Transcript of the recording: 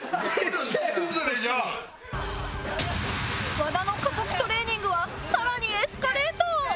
和田の過酷トレーニングは更にエスカレート